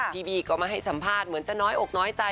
พี่บีก็มาให้สัมภาษณ์เหมือนจะน้อยอกน้อยใจ